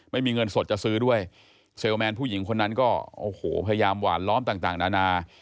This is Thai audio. ไม่มีเงินสดจะซื้อด้วยเซลแมนผู้หญิงคนนั้นก็โอ้โหพยายามหวานล้อมต่างนานา